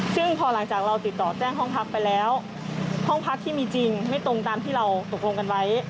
ซึ่งพอหลังจากเราติดต่อแจ้งห้องพักไปแล้วห้องพักที่มีจริงไม่ตรงตามที่เราตกลงกันไว้